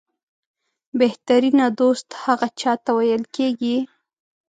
بهترینه دوست هغه چاته ویل کېږي